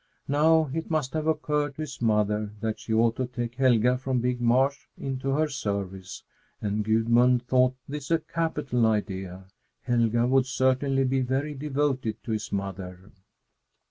Now, it must have occurred to his mother that she ought to take Helga from Big Marsh into her service, and Gudmund thought this a capital idea. Helga would certainly be very devoted to his mother.